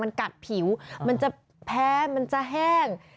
มันกัดผิวมันจะแพ้มันจะแห้ง